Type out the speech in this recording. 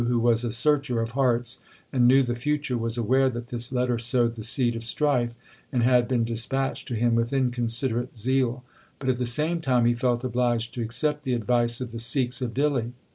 The Guru, who was a searcher of hearts and knew the future, was aware that this letter sowed the seed of strife and had been dispatched to him with inconsiderate zeal ; but at the same time he felt obliged to accept the advice of the Sikhs of Dihli.